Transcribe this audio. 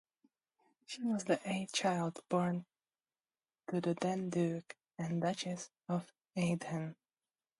She was the eighth child born to the then Duke and Duchess of Enghien.